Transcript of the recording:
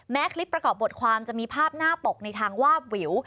คลิปประกอบบทความจะมีภาพหน้าปกในทางวาบวิว